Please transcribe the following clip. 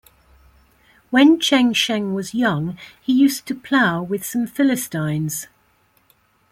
When Chen Sheng was young, he used to plow with some philistines.